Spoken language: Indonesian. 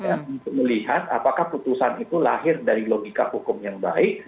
untuk melihat apakah putusan itu lahir dari logika hukum yang baik